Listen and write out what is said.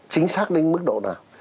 chính xác đến mức độ nào